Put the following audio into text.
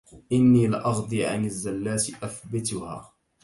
إني لأغضي عن الزلات أثبتها